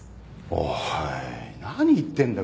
おい何言ってんだよ